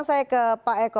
saya ke pak eko